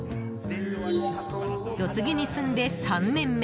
四つ木に住んで３年目。